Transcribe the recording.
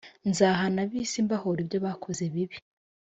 nzahana ab isi mbahora ibyo bakoze bibi